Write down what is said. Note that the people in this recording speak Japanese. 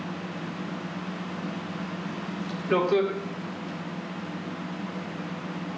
６。